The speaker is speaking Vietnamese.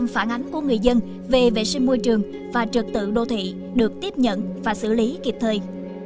một trăm linh phản ánh của người dân về vệ sinh môi trường và trật tự đô thị được tiếp nhận và xử lý kịp thời